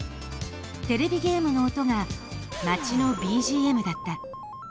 テレビゲームの音が街のＢＧＭだった。